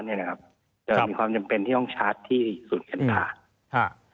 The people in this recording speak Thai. มีความจำเป็นที่ต้องชาร์จที่ศูนย์การภารกิจ